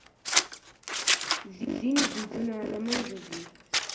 ځينې دودونه له منځه ځي.